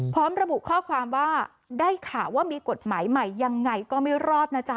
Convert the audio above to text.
พร้อมระบุข้อความว่าได้ข่าวว่ามีกฎหมายใหม่ยังไงก็ไม่รอดนะจ๊ะ